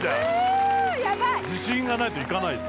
ヤバい自信がないといかないです